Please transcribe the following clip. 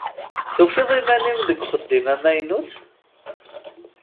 Tufiḍ iman-im deg uxeddim amaynut?